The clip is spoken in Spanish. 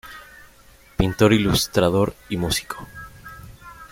Pintor, Ilustrador y Músico.